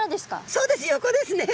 そうです横ですね。